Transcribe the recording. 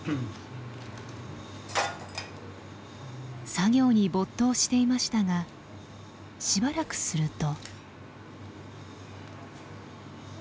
作業に没頭していましたがしばらくすると。